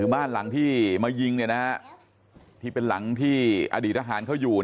บ้านหลังที่มายิงที่เป็นหลังที่อดีตทหารเขาอยู่